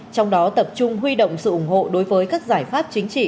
trong đó tập trung huy động sự ủng hộ đối với các giải pháp chính trị